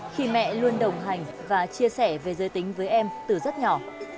khi mẹ luôn đồng hành và chia sẻ về giới tính với em từ rất nhỏ